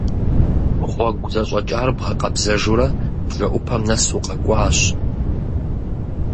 Гъуэгу зэщӀэкӀар бгъэкъэбзэжурэ, бжэӀупэм нэс укъэкӀуащ.